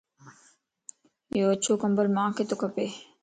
يو اڇو ڪمبل مانک تو کپا